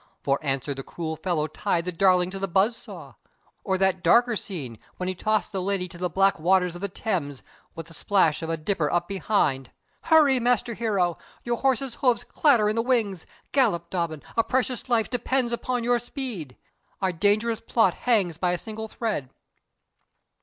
For answer the cruel fellow tied the darling to the buzz saw. Or that darker scene when he tossed the lady to the black waters of the Thames, with the splash of a dipper up behind? Hurry, master hero! Your horse's hoofs clatter in the wings. Gallop, Dobbin! A precious life depends upon your speed. Our dangerous plot hangs by a single thread.